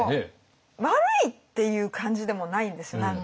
悪いっていう感じでもないんですよ何か。